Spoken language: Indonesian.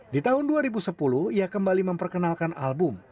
di tahun dua ribu sepuluh ia kembali memperkenalkan album